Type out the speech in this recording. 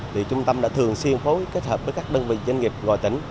thì trung tâm đã thường xuyên phối kết hợp với các đơn vị doanh nghiệp ngoài tỉnh